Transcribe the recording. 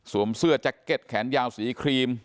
เสื้อแจ็คเก็ตแขนยาวสีครีม